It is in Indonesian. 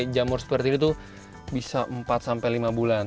jamur seperti ini tuh bisa empat sampai lima bulan